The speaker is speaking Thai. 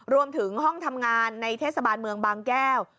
ห้องทำงานในเทศบาลเมืองบางแก้ว